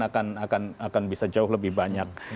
akan bisa jauh lebih banyak